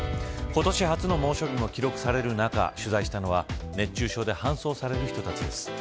今年初の猛暑日も記録される中取材したのは熱中症で搬送される人たちです。